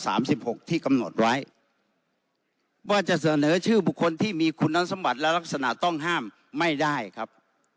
ที่กำหนดไว้ว่าจะเสนอชื่อบุคคลที่มีคุณสมบัติและลักษณะต้องห้ามไม่ได้ครับ